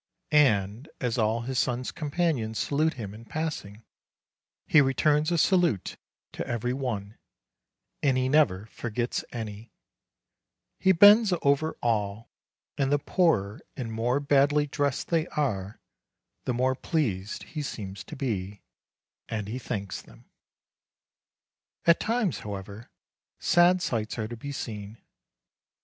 And as all his son's companions salute him in passing, he returns a salute to every one, and he never forgets any ; he bends over all, and the poorer and more badly dressed they are, the more pleased he seems to be, and he thanks them. At times, however, sad sights are to be seen.